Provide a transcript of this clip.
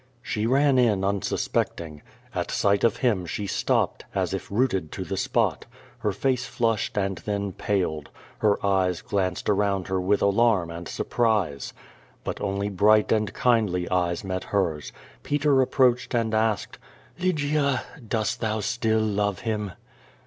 She ran in unsuspecting. At sight of him she stopped, as if rooted to the spot. Her face flushed and then paled. Her eyes glanced around her with alarm and surprise. But only bright and kindly eyes met hers. Peter ap proached and asked: "Lygia, dost thou still love him?"